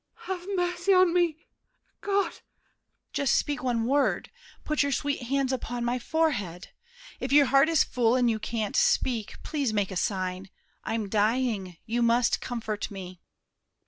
MARION (inaudibly). Have mercy on me—God! DIDIER. Just speak one word; put your sweet hands upon My forehead. If your heart is full and you Can't speak, please make a sign. I'm dying; you Must comfort me.